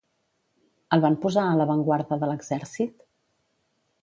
El van posar a l'avantguarda de l'exèrcit?